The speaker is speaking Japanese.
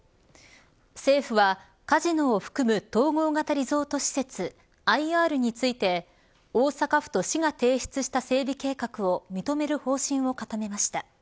政府はカジノを含む統合型リゾート施設ＩＲについて大阪府と市が提出した整備計画を認める方針を固めました。